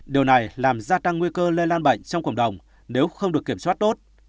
điều này làm gia tăng nguy cơ lây lan bệnh trong cộng đồng nếu không được kiểm soát tốt